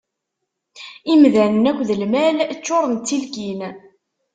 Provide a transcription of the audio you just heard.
Imdanen akked lmal ččuṛen d tilkin.